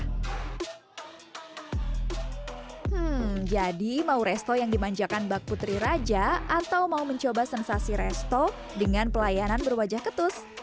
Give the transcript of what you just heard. hmm jadi mau resto yang dimanjakan bak putri raja atau mau mencoba sensasi resto dengan pelayanan berwajah ketus